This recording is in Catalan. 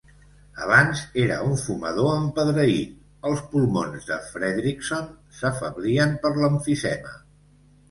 Abans era un fumador empedreït, els pulmons de Fredrikson s'afeblien per l'emfisema.